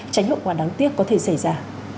tránh hậu quả đáng tiếc có thể xảy ra